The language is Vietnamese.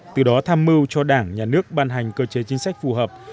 từ đó tham mưu cho đảng nhà nước ban hành cơ chế chính sách phù hợp